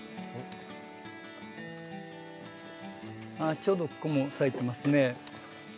ちょうどここも咲いてますね。